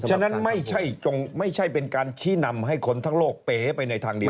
ฉะนั้นไม่ใช่เป็นการชี้นำให้คนทั้งโลกเป๋ไปในทางเดียว